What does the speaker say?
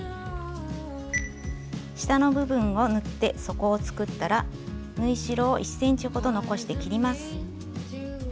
下の部分を縫って底を作ったら縫い代を１ｃｍほど残して切ります。